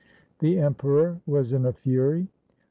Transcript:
The Emperor was in a fury.